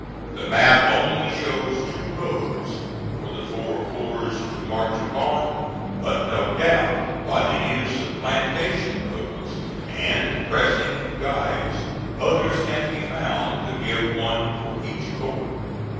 The map only shows two roads for the four corps to march upon, but, no doubt, by the use of plantation roads, and pressing in guides, others can be found, to give one for each corps.